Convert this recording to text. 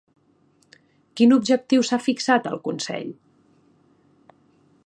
Quin objectiu s'ha fixat el Consell?